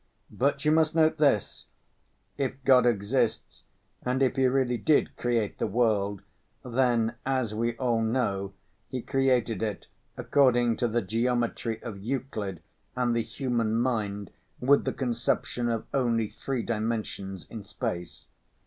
But you must note this: if God exists and if He really did create the world, then, as we all know, He created it according to the geometry of Euclid and the human mind with the conception of only three dimensions in space.